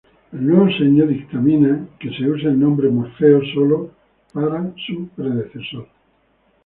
El nuevo Sueño dictamina que se use el nombre "Morfeo" sólo para su predecesor.